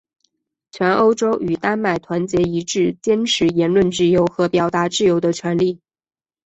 全欧洲与丹麦团结一致坚持言论自由和表达自由的权利。